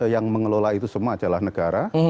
yang mengelola itu semua adalah negara